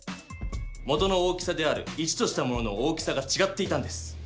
元の大きさである１としたものの大きさがちがっていたんです。